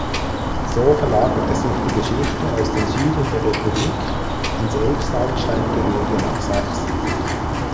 So verlagerte sich die Geschichte aus dem Süden der Republik ins Elbsandsteingebirge nach Sachsen.